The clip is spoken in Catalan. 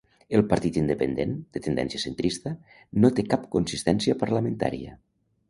El Partit Independent, de tendència centrista, no té cap consistència parlamentària.